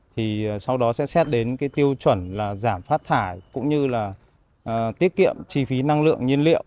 thì sau đó sẽ xét đến cái tiêu chuẩn là giảm phát thải cũng như là tiết kiệm chi phí năng lượng nhiên liệu